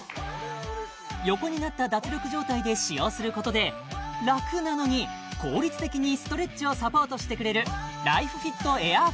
横になった脱力状態で使用することで楽なのに効率的にストレッチをサポートしてくれるライフフィットエアー